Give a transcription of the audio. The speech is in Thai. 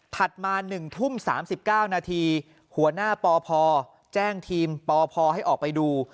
มา๑ทุ่ม๓๙นาทีหัวหน้าปพแจ้งทีมปพให้ออกไปดู